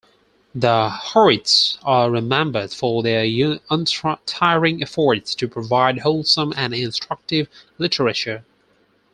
The Howitts are remembered for their untiring efforts to provide wholesome and instructive literature.